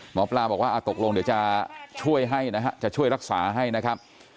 หมอปลาบอกว่าตกลงเดี๋ยวจะช่วยให้นะฮะจะช่วยรักษาให้นะครับ